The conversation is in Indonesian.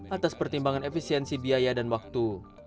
atas pertimbangan efisiensi biaya dan waktu